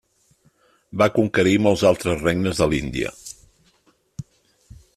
Van conquerir molts altres regnes de l'Índia.